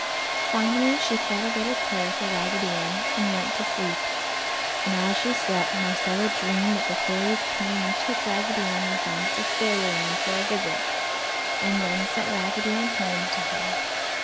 Finally she said a little prayer for Raggedy Ann, and went to sleep. And as she slept Marcella dreamed that the fairies came and took Raggedy Ann with them to fairyland for a visit, and then sent Raggedy Ann home to her.